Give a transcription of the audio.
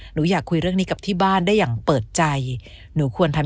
หนูอยากคุยเรื่องนี้กับที่บ้านได้อย่างเปิดใจหนูควรทำ